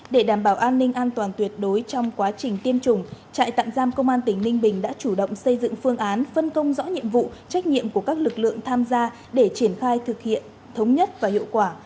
để đảm bảo an ninh an toàn tuyệt đối trong quá trình tiêm chủng trại tạm giam công an tỉnh ninh bình đã chủ động xây dựng phương án phân công rõ nhiệm vụ trách nhiệm của các lực lượng tham gia để triển khai thực hiện thống nhất và hiệu quả